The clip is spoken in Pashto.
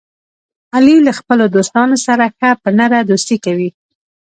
علي له خپلو دوستانو سره ښه په نره دوستي کوي.